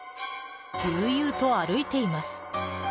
悠々と歩いています。